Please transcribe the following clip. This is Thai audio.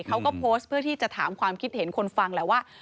เขาก็โพสต์เพื่อที่จะถามความคิดเห็นคนฟังแหละว่า